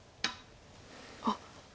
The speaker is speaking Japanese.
あっ！